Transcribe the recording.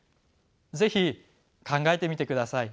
是非考えてみてください。